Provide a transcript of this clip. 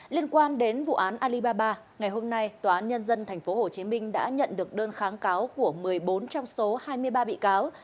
liên quan đến vụ án alibaba ngày hôm nay tòa án nhân dân tp hcm đã nhận được đơn kháng cáo của một mươi bốn trong số hai mươi ba bị cáo